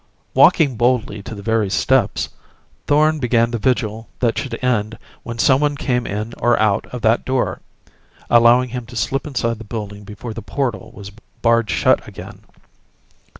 Walking boldly to the very steps, Thorn began the vigil that should end when someone came in or out of that door, allowing him to slip inside the building before the portal was barred shut again.